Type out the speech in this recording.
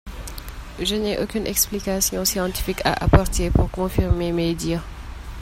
Je n’ai aucune explication scientifique à apporter pour confirmer mes dires.